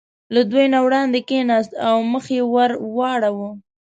له دوی نه وړاندې کېناست او مخ یې ور واړاوه.